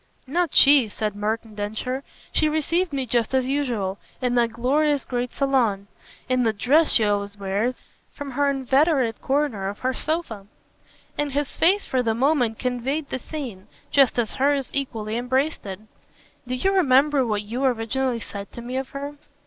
"Not she," said Merton Densher. "She received me just as usual: in that glorious great salone, in the dress she always wears, from her inveterate corner of her sofa." And his face for the moment conveyed the scene, just as hers equally embraced it. "Do you remember what you originally said to me of her?"